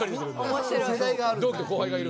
同期と後輩がいる。